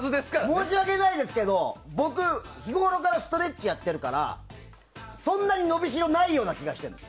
申し訳ないですけど僕、日ごろからストレッチやっているからそんなに伸びしろないような気がする。